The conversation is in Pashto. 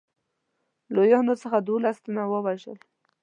لویانو څخه دوولس تنه ووژل.